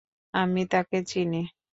আমি তাঁকে চিনি।